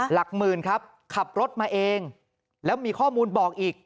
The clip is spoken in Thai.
หลักหมื่นครับขับรถมาเองแล้วมีข้อมูลบอกอีก